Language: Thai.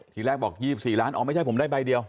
ที่แรกบอกยี่สิบสี่ล้านอ๋อไม่ใช่ผมได้ใบเดียว